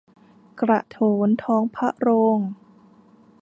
กระโถนท้องพระโรง